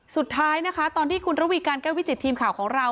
สุดท้ายนะคะตอนที่คุณระวีการแก้ววิจิตทีมข่าวของเรา